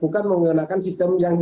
bukan menggunakan sistem yang